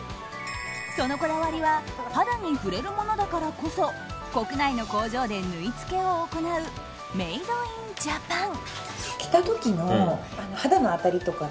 そのこだわりは肌に触れるものだからこそ国内の工場で縫い付けを行うメイドインジャパン。